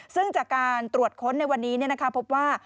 ซึ่งจากการตรวจค้นในวันนี้พบว่า